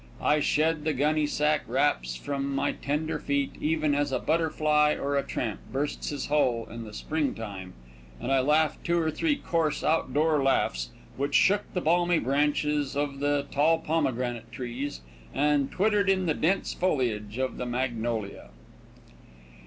I shed the gunnysack wraps from my tender feet even as a butterfly or a tramp bursts his hull in the spring time, and I laughed two or three coarse, outdoor laughs, which shook the balmy branches of the tall pomegranate trees and twittered in the dense foliage of the magnolia.